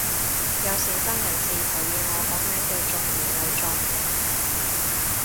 有善心人士提議我改名叫中完又中